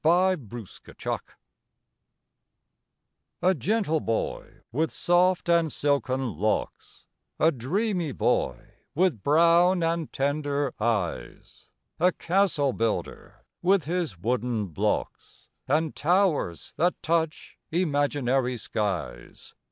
THE CASTLE BUILDER A gentle boy, with soft and silken locks A dreamy boy, with brown and tender eyes, A castle builder, with his wooden blocks, And towers that touch imaginary skies.